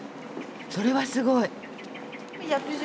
それはすごい。